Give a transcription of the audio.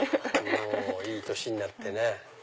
もういい年になってね。